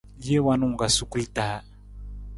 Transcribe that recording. Jee wanung ka sukul taa.